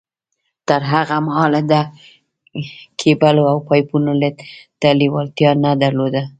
تر هغه مهاله ده کېبلو او پایپونو ته لېوالتیا نه در لوده